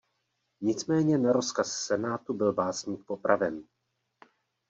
Nicméně na rozkaz senátu byl básník popraven.